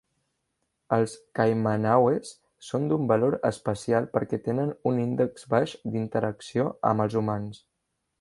Els kaimanaues són d'un valor especial perquè tenen un índex baix d'interacció amb els humans.